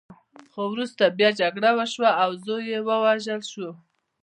خو وروسته بیا جګړه وشوه او زوی یې ووژل شو.